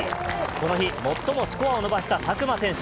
この日、最もスコアを伸ばした佐久間選手。